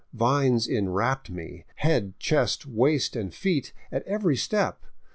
Vines enwrapped me, head, chest, waist, and feet, at every step.